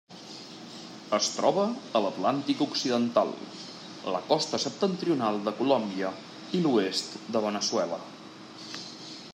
Es troba a l'Atlàntic occidental: la costa septentrional de Colòmbia i l'oest de Veneçuela.